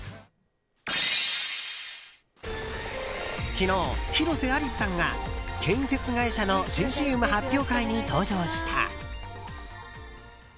昨日、広瀬アリスさんが建設会社の新ＣＭ発表会に登場した。